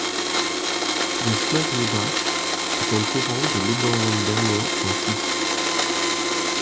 Le Schmadribach est un torrent de l'Oberland bernois en Suisse.